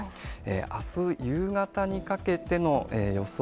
あす夕方にかけての予想